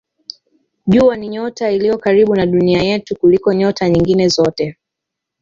Jua ni nyota iliyo karibu na Dunia yetu kuliko nyota nyingine zote.